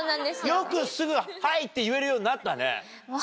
よくすぐ。って言えるようになったね。